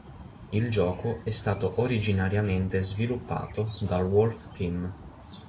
Il gioco è stato originariamente sviluppato dal Wolf Team.